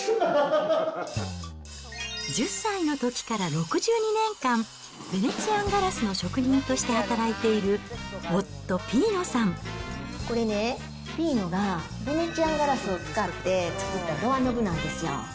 １０歳のときから６２年間、ヴェネツィアンガラスの職人としこれね、ピーノがヴェネツィアンガラスを使って作ったドアノブなんですよ。